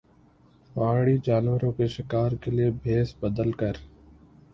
پہاڑی جانوروں کے شکار کے لئے بھیس بدل کر